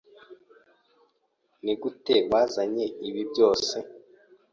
Nigute wazanye ibi byose?